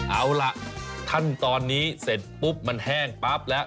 เอาล่ะขั้นตอนนี้เสร็จปุ๊บมันแห้งปั๊บแล้ว